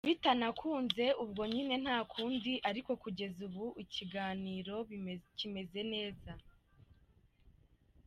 Bitanakunze ubwo nyine nta kundi ariko kugeza ubu ibiganiro bimeze neza.